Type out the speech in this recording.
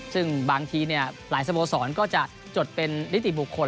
ซึ่งบางทีหลายสโมสรก็จะจดเป็นนิติบุคคล